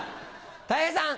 たい平さん。